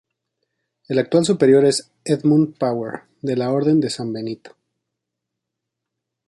El actual superior es Edmund Power, de la Orden de San Benito.